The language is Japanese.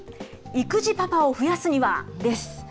育児パパを増やすには！です。